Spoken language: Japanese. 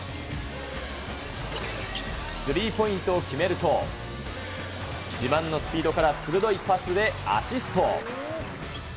スリーポイントを決めると、自慢のスピードから鋭いパスでアシスト。